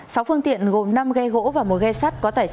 sáu phương tiện gồm năm ghe gỗ và một ghe sắt